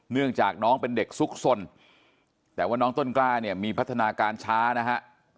เนื่องจากน้องเป็นเด็กซุกสนแต่ว่าน้องต้นกล้าเนี่ยมีพัฒนาการช้านะฮะ